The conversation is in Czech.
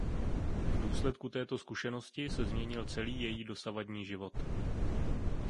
V důsledku této zkušenosti se změnil celý její dosavadní život.